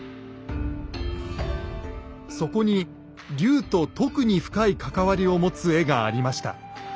そこに龍と特に深い関わりを持つ絵がありました。